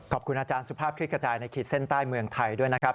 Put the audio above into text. ขอบคุณอาจารย์สุภาพคลิกกระจายในขีดเส้นใต้เมืองไทยด้วยนะครับ